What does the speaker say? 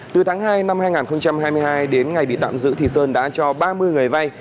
từ tháng hai năm hai nghìn hai mươi hai đến ngày hôm nay